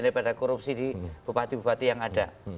masuk bagian dari korupsi di bupati bupati yang ada